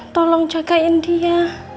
tolong jagain dia